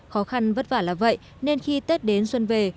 khó khăn vất vả là vậy nên khi tết đến xuân về